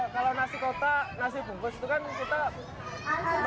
kalau nasi kotak nasi bungkus itu kan kita